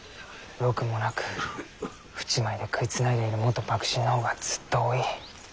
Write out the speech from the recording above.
禄もなく扶持米で食いつないでいる元幕臣の方がずっと多い。